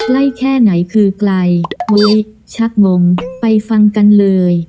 แค่ไหนคือไกลเฮ้ยชักงงไปฟังกันเลย